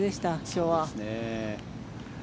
今日は。